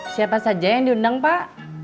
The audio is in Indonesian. siapa saja yang diundang pak